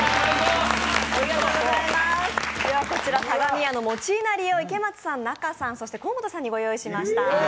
こちら、相模屋の餅いなりを池松さん、仲さん、そして河本さんにご用意しました。